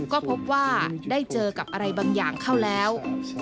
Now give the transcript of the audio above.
ก็พบว่าได้เจอกับอะไรบางอย่างเข้าแล้ว